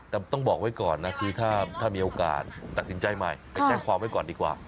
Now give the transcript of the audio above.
แต่ต้องบอกไว้ก่อนนะคือถ้ามีโอกาสตัดสินใจใหม่ไปแจ้งความไว้ก่อนดีกว่า